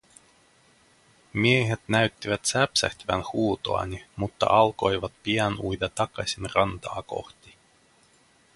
Miehet näyttivät säpsähtävän huutoani, mutta alkoivat pian uida takaisin rantaa kohti.